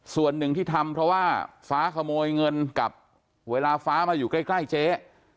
ส่วนหนึ่งที่ทำเพราะว่าฟ้าขโมยเงินกับเวลาฟ้ามาอยู่ใกล้เจ๊